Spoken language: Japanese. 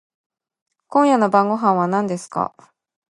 今夜の晩御飯は何ですか？